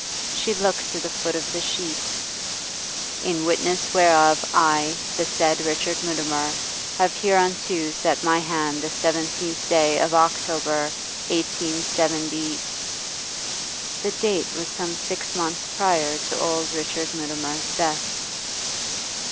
She looked to the foot of the sheet. 'In witness whereof I, the said Richard Mutimer, have hereunto set my hand this seventeenth day of October, 187 .' The date was some six months prior to old Richard Mutimer's death.